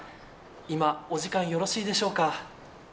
今、お時間よろしいでしょうか。